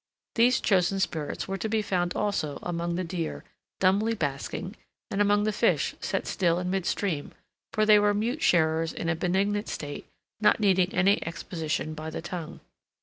These chosen spirits were to be found also among the deer, dumbly basking, and among the fish, set still in mid stream, for they were mute sharers in a benignant state not needing any exposition by the tongue.